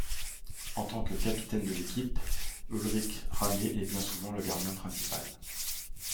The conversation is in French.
En tant que capitaine de l'équipe, Ulrich Ramé est bien souvent le gardien principal.